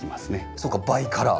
そうかバイカラー。